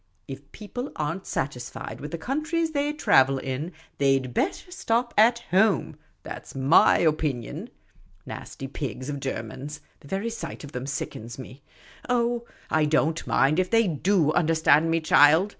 If people are n't satisfied with the countries they trav^el in, they 'd better stop at home — that 's my opinion. Nasty pigs of Germans! The very sight of them sickens me. Oh, I don't mind if they do understand me, child.